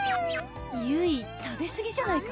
ゆい食べすぎじゃないか？